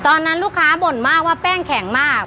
ตอนนั้นลูกค้าบ่นมากว่าแป้งแข็งมาก